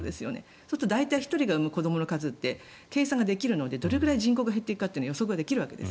そうすると大体１人が産む子どもの数って計算ができるのでどれくらい人口が減っていくかって予測ができるわけです。